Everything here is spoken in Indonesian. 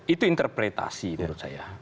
itu interpretasi menurut saya